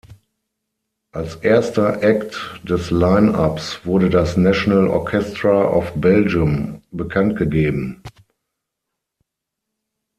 Als erster Act des Line Ups wurde das National Orchestra of Belgium bekannt gegeben.